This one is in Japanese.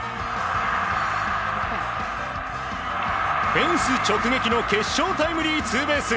フェンス直撃の決勝タイムリーツーベース。